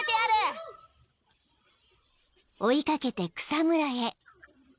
［追い掛けて草むらへ］